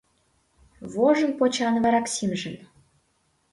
Вожын почан вараксимжым